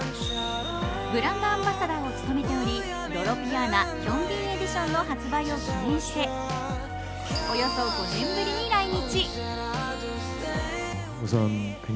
ブランドアンバサダーを務めておりロロ・ビアーナヒョンビン・エディションの発売を記念しておよそ５年ぶりに来日。